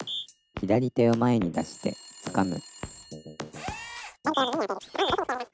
「左手を前に出してつかむ」